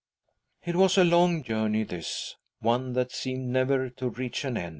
•••••• It was a long journey, this ; one that seemed never to reach an end.